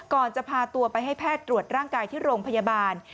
จะพาตัวไปให้แพทย์ตรวจร่างกายที่โรงพยาบาล